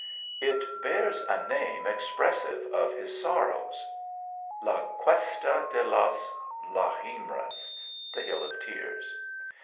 It bears a name expressive of his sorrows La Cuesta de las Lagrimas, (the Hill of Tears.)